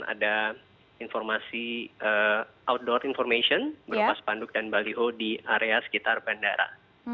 ada informasi outdoor information berupa spanduk dan baliho di area sekitar bandara